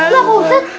lah pak ustadz